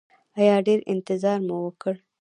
ایا ډیر انتظار مو وکړ؟